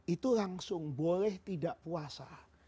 itu langsung boleh tidak puasa